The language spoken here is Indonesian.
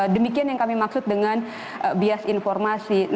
demikian yang kami maksud dengan bias informasi